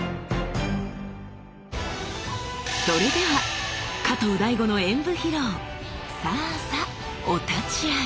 それでは加藤大悟の演武披露さあさお立ちあい。